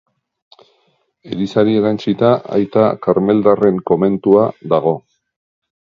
Elizari erantsita Aita Karmeldarren komentua dago.